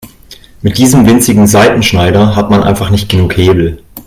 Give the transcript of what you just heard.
Mit diesem winzigen Seitenschneider hat man einfach nicht genug Hebel.